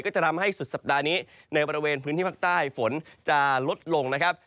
จะทำให้สุดสัปดาห์นี้ในบริเวณพื้นที่ภาคใต้ฝนจะลดลงนะครับ